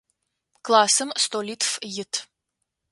Классым столитф ит.